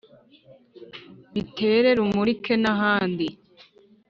bitere rumurike nahandi